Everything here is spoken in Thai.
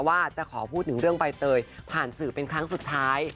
ว่าจะขอพูดถึงเรื่องใบเตยผ่านสื่อเป็นครั้งสุดท้าย